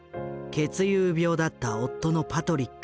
血友病だった夫のパトリック。